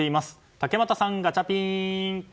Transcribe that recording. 竹俣さん、ガチャピン。